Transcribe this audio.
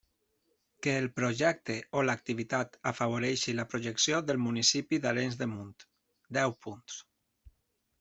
Que el projecte o l'activitat afavoreixi la projecció del municipi d'Arenys de Munt: deu punts.